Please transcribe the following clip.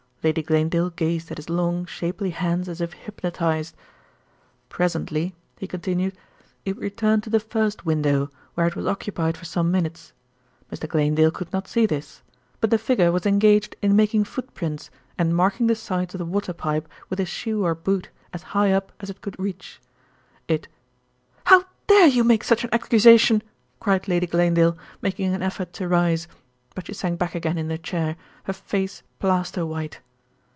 Lady Glanedale gazed at his long, shapely hands as if hypnotised. "Presently," he continued, "it returned to the first window, where it was occupied for some minutes. Mr. Glanedale could not see this; but the figure was engaged in making footprints and marking the sides of the water pipe with a shoe or boot as high up as it could reach. It " "How dare you make such an accusation!" cried Lady Glanedale, making an effort to rise; but she sank back again in her chair, her face plaster white.